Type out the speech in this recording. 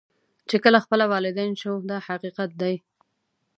چې کله خپله والدین شو دا حقیقت دی.